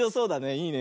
いいね。